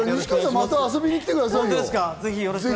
西川さん、また遊びに来てくださいよ、ぜひぜひ。